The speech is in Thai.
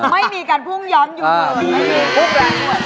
ไม่มีการพุ่งย้อนอยู่กัน